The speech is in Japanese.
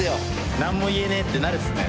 何もいえねえってなるっすね。